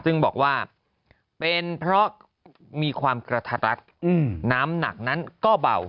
ซึ่งบอกว่าเป็นเพราะมีความกระทัดรัดน้ำหนักนั้นก็เบา